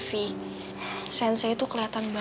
mereka saat ibu beli kayaknya